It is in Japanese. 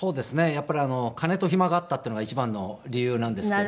やっぱり金と暇があったっていうのが一番の理由なんですけど。